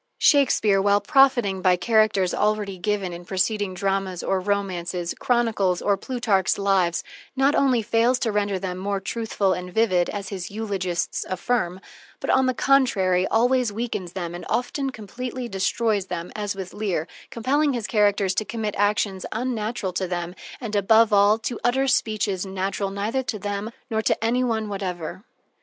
Shakespeare, while profiting by characters already given in preceding dramas, or romances, chronicles, or, Plutarch's "Lives," not only fails to render them more truthful and vivid, as his eulogists affirm, but, on the contrary, always weakens them and often completely destroys them, as with Lear, compelling his characters to commit actions unnatural to them, and, above all, to utter speeches natural neither to them nor to any one whatever.